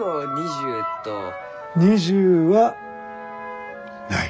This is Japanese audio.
２０はない。